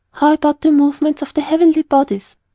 How about the movements of the Heavenly Bodies?